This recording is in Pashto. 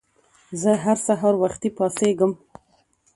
زه هر سهار وختي پاڅېږم.